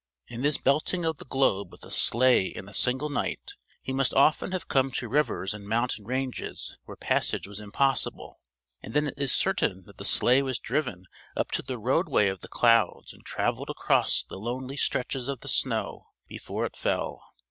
In this belting of the globe with a sleigh in a single night he must often have come to rivers and mountain ranges where passage was impossible; and then it is certain that the Sleigh was driven up to the roadway of the clouds and travelled across the lonely stretches of the snow before it fell.